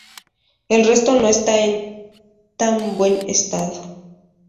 El resto no está en tan buen estado.